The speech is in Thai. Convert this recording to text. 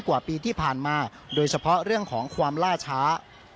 กว่าปีที่ผ่านมาโดยเฉพาะเรื่องของความล่าช้า